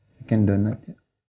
bikin donat ya